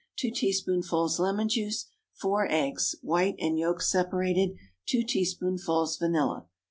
2 teaspoonfuls lemon juice. 4 eggs—white and yolks separated. 2 teaspoonfuls vanilla.